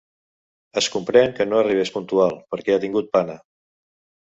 Es comprèn que no arribés puntual, perquè ha tingut pana.